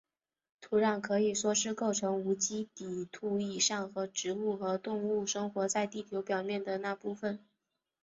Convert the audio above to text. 土壤可以说是构成无机底土以上和植物和动物生活在地球表面的那部分。